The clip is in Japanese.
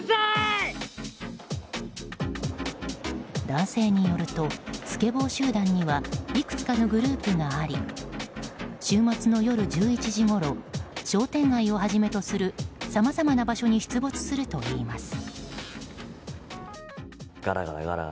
男性によるとスケボー集団にはいくつかのグループがあり週末の夜１１時ごろ商店街をはじめとするさまざまな場所に出没するといいます。